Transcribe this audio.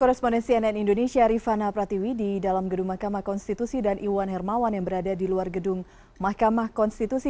korespondensi nn indonesia rifana pratiwi di dalam gedung mahkamah konstitusi dan iwan hermawan yang berada di luar gedung mahkamah konstitusi